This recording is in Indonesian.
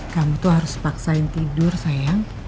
kamu tuh harus paksain tidur sayang